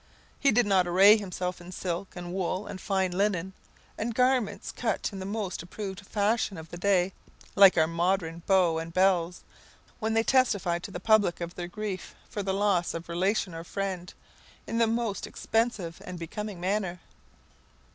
He did not array himself in silk, and wool, and fine linen, and garments cut in the most approved fashion of the day, like our modern beaux and belles, when they testify to the public their grief for the loss of relation or friend, in the most expensive and becoming manner.